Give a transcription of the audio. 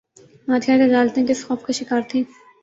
ماتحت عدالتیں کس خوف کا شکار تھیں؟